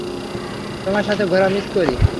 তোমার সাথে ঘোরা মিস করি।